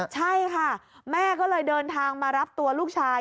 ใช่ค่ะแม่ก็เลยเดินทางมารับตัวลูกชาย